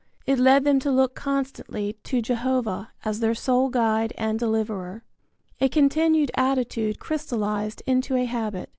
It led them to look constantly to Jehovah as their sole guide and deliverer. A continued attitude crystallized into a habit.